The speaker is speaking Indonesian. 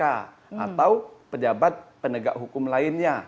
atau pejabat penegak hukum lainnya